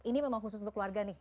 ini memang khusus untuk keluarga nih